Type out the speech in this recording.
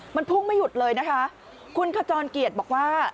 มันพุ่งไม่หยุดเลยนะคะคุณขจรเกียรติบอกว่า